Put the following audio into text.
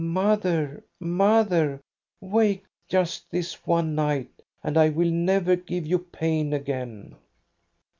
Mother, mother, wake just this one night, and I will never give you pain again